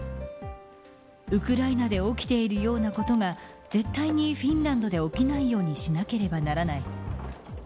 ウクライナで起きているようなことが絶対にフィンランドで起きないようにしなければならない。